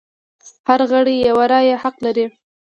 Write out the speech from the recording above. هر غړی یوه رایه حق لري.